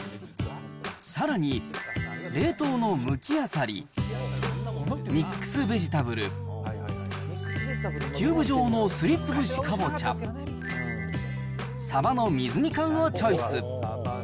さらに、冷凍のむきあさり、ミックスベジタブル、キューブ状のすりつぶしかぼちゃ、サバの水煮缶をチョイス。